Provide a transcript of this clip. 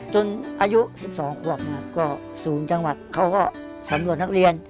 จนอายุ๑๒ครอบก็สูงจังหวัดเขาก็สำรวจนักเรียน